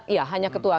iya hanya ketua